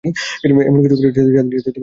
এমন কিছু করি, যাতে আমার ওপর বিশ্বাস ফিরে আসে।